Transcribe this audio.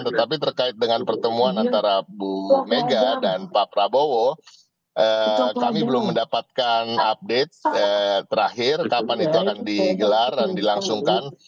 tetapi terkait dengan pertemuan antara bu mega dan pak prabowo kami belum mendapatkan update terakhir kapan itu akan digelar dan dilangsungkan